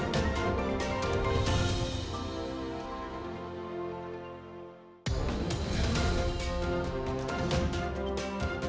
lalu dengan membuka kom banner